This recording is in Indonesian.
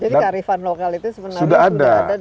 jadi karifan lokal itu sebenarnya sudah ada di masyarakat